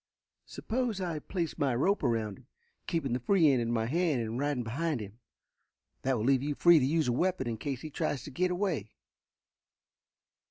"Suppose I place my rope around him, keeping the free end in my hand and riding behind him? That will leave you free to use a weapon in case he tries to get away."